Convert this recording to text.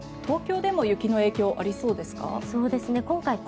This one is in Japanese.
東京でも雪の影響ありそうですか？